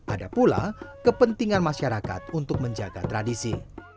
ada pula kepentingan masyarakat untuk menjaga tradisi